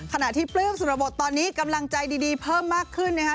ขณะที่ปลื้มสุรบทตอนนี้กำลังใจดีเพิ่มมากขึ้นนะครับ